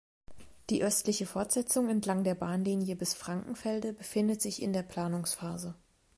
Die östliche Fortsetzung entlang der Bahnlinie bis Frankenfelde befindet sich in der Planungsphase.